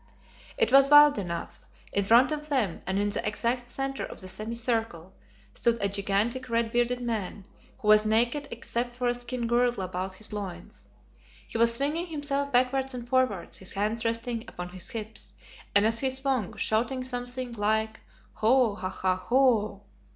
It was wild enough. In front of them, and in the exact centre of the semi circle, stood a gigantic, red bearded man, who was naked except for a skin girdle about his loins. He was swinging himself backwards and forwards, his hands resting upon his hips, and as he swung, shouting something like "_Ho, haha, ho!